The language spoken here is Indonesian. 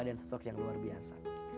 dan sosok yang luar biasa